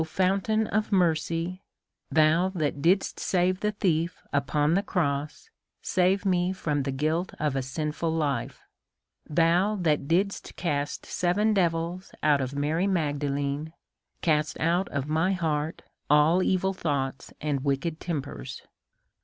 Fountain of mercy, thou that didst save the thief upon the cross, save me from the guilt of a sin ful life ; thou that didst cast seven devils out of Mary Magdalene, cast out of my heart all evil thoughts and wicked tempers.